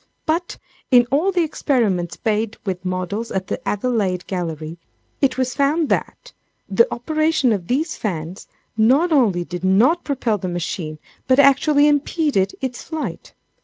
But, in all the experiments made with models at the Adelaide Gallery, it was found that the operation of these fans not only did not propel the machine, but actually impeded its flight.